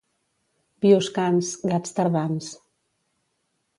Bioscans, gats tardans.